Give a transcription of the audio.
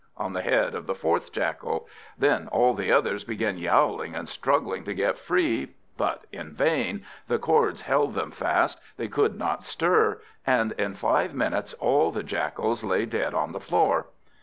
on the head of the fourth Jackal. Then all the others began yowling and struggling to get free; but in vain, the cords held them fast, they could not stir; and in five minutes all the Jackals lay dead on the floor.